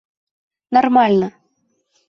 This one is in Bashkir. Нормально!